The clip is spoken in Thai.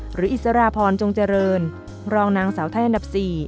หรืออิสรพรจงเจริญรองนางเสาไทยอันดับสี่